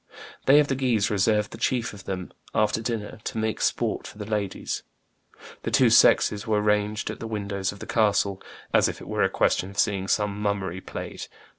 They of the Guises reserved the chief of them, after dinner, to make sport for the ladies; the two sexes were ranged at the windows of the castle, as if it were a question of seeing some mummery played.